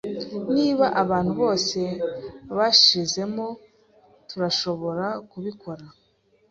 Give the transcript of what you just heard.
Niba abantu bose bashizemo, turashobora kubikora.